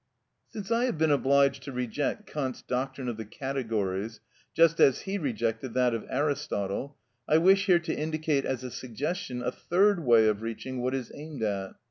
‐‐‐‐‐‐‐‐‐‐‐‐‐‐‐‐‐‐‐‐‐‐‐‐‐‐‐‐‐‐‐‐‐‐‐‐‐ Since I have been obliged to reject Kant's doctrine of the categories, just as he rejected that of Aristotle, I wish here to indicate as a suggestion a third way of reaching what is aimed at.